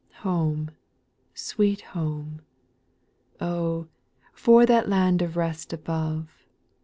Home, sweet home I Oh ! for that land of rest above.